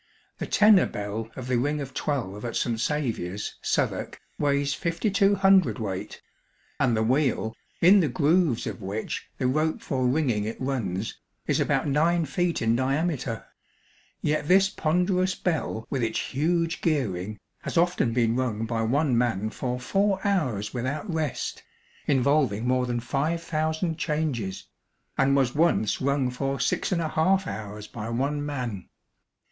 The tenor bell of the ring of twelve at St Saviour's, Southwark, weighs fifty two hundredweight; and the wheel, in the grooves of which the rope for ringing it runs, is about nine feet in diameter; yet this ponderous bell with its huge gearing has often been rung by one man for four hours without rest, involving more than five thousand changes; and was once rung for six and a half hours by one man.